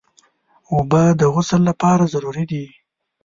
اوبه د غسل لپاره ضروري دي.